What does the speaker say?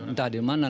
entah di mana